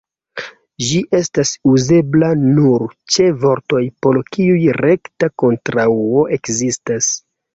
Ĝi estas uzebla nur ĉe vortoj, por kiuj rekta kontraŭo ekzistas.